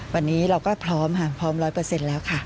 วันนี้เราก็พร้อมค่ะพร้อม๑๐๐แล้วค่ะ